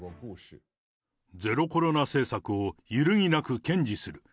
ゼロコロナ政策を揺るぎなく堅持する。